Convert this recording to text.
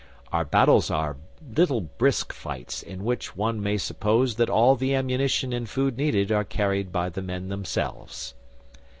Our battles are little brisk fights in which one may suppose that all the ammunition and food needed are carried by the men themselves.